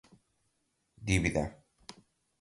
dívida